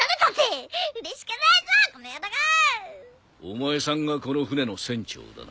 お前さんがこの船の船長だな？